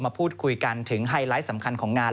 พูดคุยกันถึงไฮไลท์สำคัญของงาน